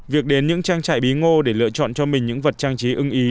việc đến những trang trại bí ngô để lựa chọn cho mình những vật trang trí ưng ý